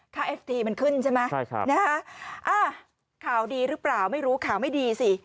เอฟทีมันขึ้นใช่ไหมใช่ครับนะฮะข่าวดีหรือเปล่าไม่รู้ข่าวไม่ดีสิ